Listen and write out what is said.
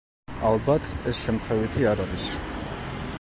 ალბათ, ეს შემთხვევითი არ არის.